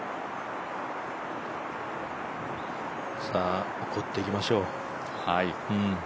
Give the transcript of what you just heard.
さあ、怒っていきましょう。